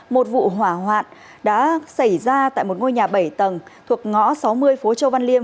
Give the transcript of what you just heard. một vụ hỏa hoạn đã xảy ra tại một ngôi nhà bảy tầng thuộc ngõ sáu mươi phố châu văn liêm